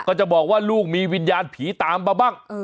ก็จะบอกว่าลูกมีวิญญาณผีตามมาบ้าง